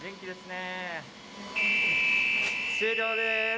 ・終了です！